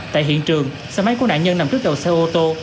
tại hiện trường xe máy của nạn nhân nằm trước đầu xe ô tô